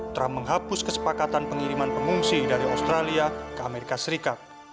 trump menghapus kesepakatan pengiriman pengungsi dari australia ke amerika serikat